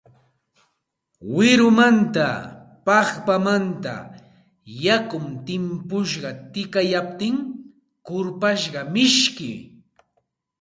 Wirumanta, paqpamanta yakun timpusqa tikayaptin kurpasqa miski